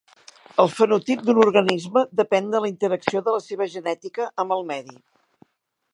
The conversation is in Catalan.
El fenotip d'un organisme depèn de la interacció de la seva genètica amb el medi.